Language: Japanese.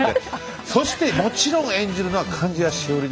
そしてもちろん演じるのは貫地谷しほりですから。